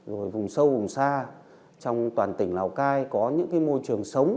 có những môi trường sống vùng sâu vùng xa trong toàn tỉnh lào cai có những môi trường sống